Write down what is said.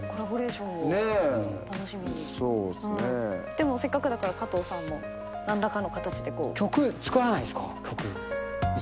でもせっかくだから加藤さんも何らかの形でこう。